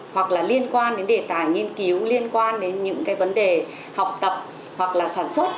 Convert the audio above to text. hoặc là liên quan đến đề tài nghiên cứu liên quan đến những cái vấn đề học tập hoặc là sản xuất